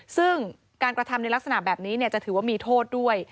ซึ่งการกระทำในลักษณะแบบนี้จะถือว่ามีโทษด้วย